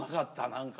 何か。